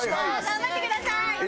頑張ってください！